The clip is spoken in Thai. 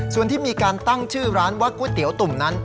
ส่วนที่มีการตั้งชื่อร้านว่าก๋วยเตี๋ยวตุ่มนั้น